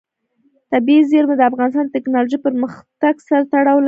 طبیعي زیرمې د افغانستان د تکنالوژۍ پرمختګ سره تړاو لري.